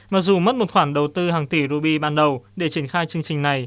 mặc dù mất một khoản đầu tư hàng tỷ ruby ban đầu để triển khai chương trình này